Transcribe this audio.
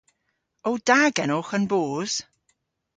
O da genowgh an boos?